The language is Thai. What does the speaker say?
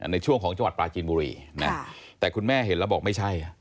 ในช่วงของจังหวัดปลาจีนบุรีนะแต่คุณแม่เห็นแล้วบอกไม่ใช่